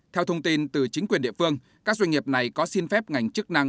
theo thông tin từ chính quyền địa phương các doanh nghiệp này có xin phép ngành chức năng